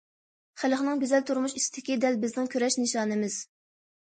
خەلقنىڭ گۈزەل تۇرمۇش ئىستىكى دەل بىزنىڭ كۈرەش نىشانىمىز.